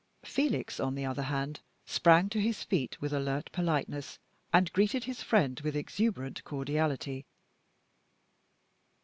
Felix, on the other hand, sprang to his feet with alert politeness and greeted his friend with exuberant cordiality.